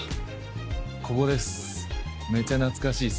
ここです。